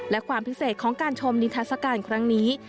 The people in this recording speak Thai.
และความพิเศษของการชมนิทัศกาลครั้งนี้